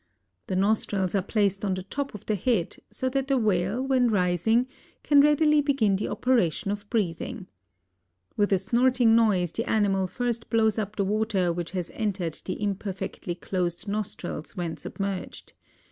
The nostrils are placed on the top of the head, so that the whale when rising can readily begin the operation of breathing. With a snorting noise the animal first blows up the water which has entered the imperfectly closed nostrils when submerged.